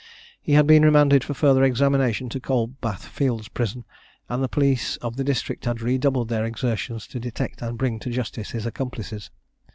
He had been remanded for further examination to Cold Bath Fields Prison, and the police of the district had redoubled their exertions to detect and bring to justice his accomplices.